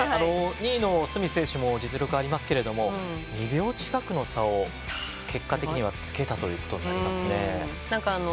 ２位のスミス選手も実力ありますけど２秒近くの差を結果的にはつけたということになりますね。